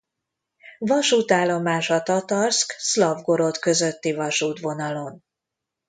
Vasútállomás a Tatarszk–Szlavgorod közötti vasútvonalon.